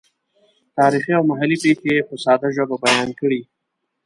تاریخي او محلي پېښې یې په ساده ژبه بیان کړې.